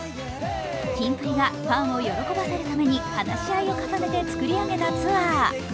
キンプリがファンを喜ばせるために話し合いを重ねて作り上げたツアー。